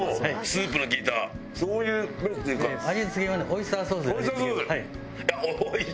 オイスターソース？